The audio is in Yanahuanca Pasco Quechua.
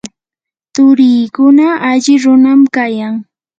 turiikuna alli runam kayan.